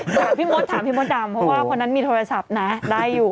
ถามพี่มดถามพี่มดดำเพราะว่าคนนั้นมีโทรศัพท์นะได้อยู่